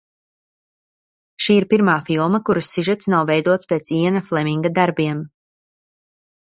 Šī ir pirmā filma, kuras sižets nav veidots pēc Iana Fleminga darbiem.